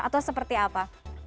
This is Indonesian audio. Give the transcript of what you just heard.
atau seperti apa